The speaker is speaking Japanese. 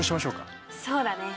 そうだね。